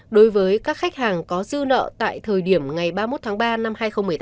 đối với các khách hàng có dư nợ tại thời điểm ngày ba mươi một tháng ba năm hai nghìn một mươi tám